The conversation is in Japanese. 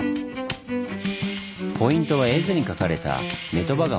ポイントは絵図に描かれた女鳥羽川。